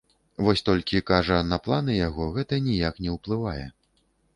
Вось толькі, кажа, на планы яго гэта ніяк не ўплывае.